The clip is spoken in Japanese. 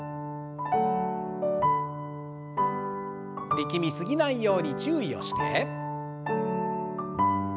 力み過ぎないように注意をして。